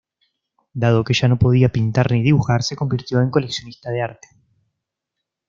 Dado que ya no podía pintar ni dibujar se convirtió en coleccionista de arte.